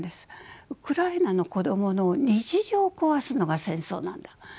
ウクライナの子どもの日常を壊すのが戦争なんだ。